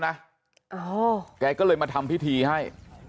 แกก็เลยมาทำพิธีให้